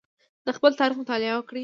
د خپل تاریخ مطالعه وکړئ.